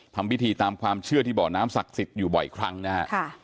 ทำพิธีตามความเชื่อที่บ่อน้ำศักดิ์สิทธิ์อยู่บ่อยครั้งนะฮะ